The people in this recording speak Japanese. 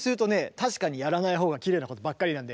確かにやらないほうがきれいなことばっかりなんだよね。